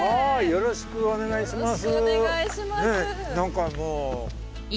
よろしくお願いします。